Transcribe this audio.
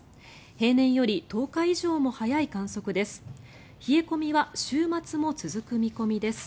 平年より１０日以上も早い観測です。